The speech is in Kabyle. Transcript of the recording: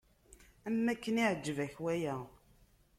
Am akken iɛǧeb-ak waya.